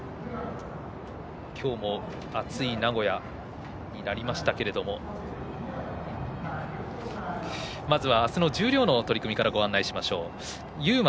今日も暑い名古屋になりましたけれどもまずは明日の十両の取組からご案内します。